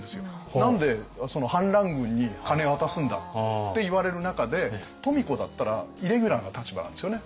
何で反乱軍に金渡すんだって言われる中で富子だったらイレギュラーな立場なんですよね